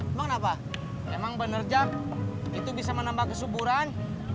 emang kenapa emang bener jam itu bisa menambah kesuburan